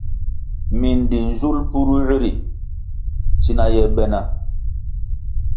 Mindi nzul purűer ri tsina ye be na.